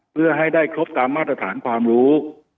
เพื่อให้ได้ครบตามมาตรฐานความรู้